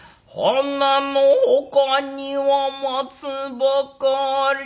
「花の外には松ばかり」